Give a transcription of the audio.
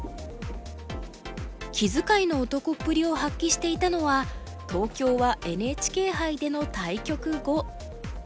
気遣いの男っぷりを発揮していたのは東京はＮＨＫ杯での対局後。